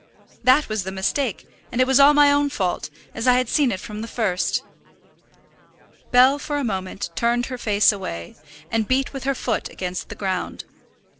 That was the mistake, and it was all my own fault, as I had seen it from the first." Bell for a moment turned her face away, and beat with her foot against the ground.